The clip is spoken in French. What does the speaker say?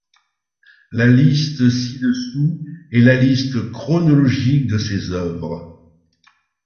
La liste ci-dessous est la liste chronologique de ses œuvres.